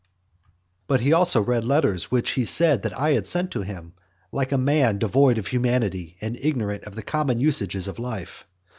IV. But he also read letters which he said that I had sent to him, like a man devoid of humanity and ignorant of the common usages of life.